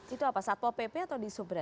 itu apa satpol pp atau di sup berarti